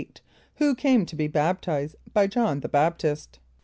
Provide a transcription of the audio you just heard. = Who came to be baptized by J[)o]hn the B[)a]p´t[)i]st?